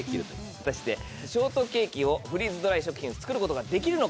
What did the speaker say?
果たしてショートケーキをフリーズドライ食品で作ることができるのか？